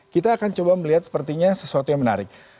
kita akan coba melihat sepertinya sesuatu yang menarik